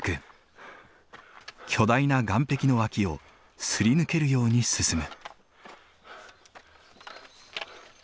巨大な岩壁の脇をすり抜けるように進む。